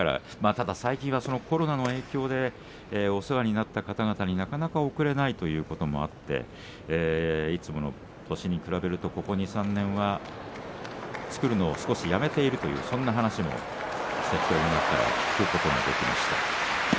ただ最近はコロナの影響でお世話になった方々になかなか贈れないということもあっていつもの年に比べるとここ２、３年は作るのをやめているという話も関取の中から聞くことがあります。